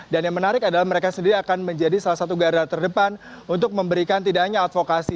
dan yang menarik adalah mereka sendiri akan menjadi salah satu gara terdepan untuk memberikan tidak hanya advokasi